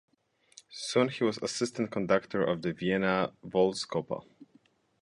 Soon he was assistant conductor of the Vienna Volksoper.